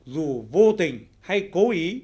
dù vô tình hay cố ý